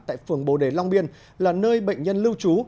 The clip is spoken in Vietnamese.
tại phường bồ đề long biên là nơi bệnh nhân lưu trú